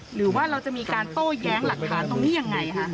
หรือว่าเราจะมีการโต้แย้งหลักฐานตรงนี้ยังไงคะ